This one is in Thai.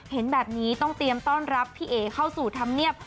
เห็นแบบนี้ต้องเตรียมต้อนรับพี่เอ๋เข้าสู่ธรรมเนียบ